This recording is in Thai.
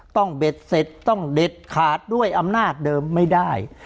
เบ็ดเสร็จต้องเด็ดขาดด้วยอำนาจเดิมไม่ได้